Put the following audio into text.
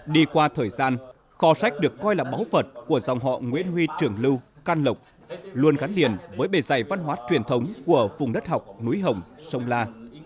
đi qua thời gian kho sách được coi là báu vật của dòng họ nguyễn huy trường lưu can lộc luôn gắn liền với bề dày văn hóa truyền thống của vùng đất học núi hồng sông la